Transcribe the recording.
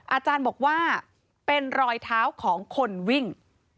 อาจารย์บอกว่าเป็นรอยเท้าของคนวิ่ง